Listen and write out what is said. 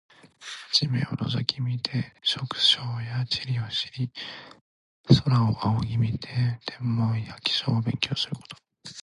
地面を覗き見て植生や地理を知り、空を仰ぎ見て天文や気象を勉強すること。